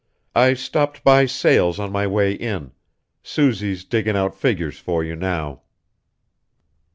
I stopped by Sales on my way in Susie's digging out figures for you now."